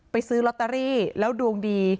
ซื้อลอตเตอรี่แล้วดวงดี